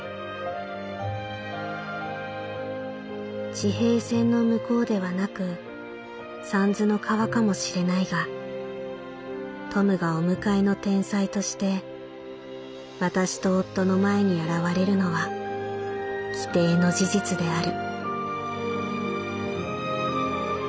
「地平線の向こうではなく三途の川かもしれないがトムがお迎えの天才として私と夫の前に現れるのは規定の事実である」。